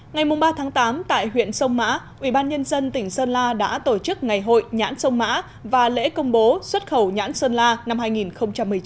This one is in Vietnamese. ngày ba tám tại huyện sông mã ubnd tỉnh sơn la đã tổ chức ngày hội nhãn sông mã và lễ công bố xuất khẩu nhãn sơn la năm hai nghìn một mươi chín